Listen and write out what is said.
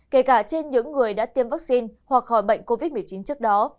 kể cả trên những người đã tiêm vaccine hoặc khỏi bệnh covid một mươi chín trước đó